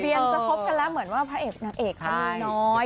เบียงสะพบกันแล้วเหมือนว่าพระเอกน้องเอกน้อย